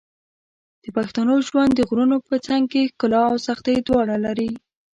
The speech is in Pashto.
د پښتنو ژوند د غرونو په څنګ کې ښکلا او سختۍ دواړه لري.